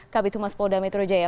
kabitumas pol damitru jaya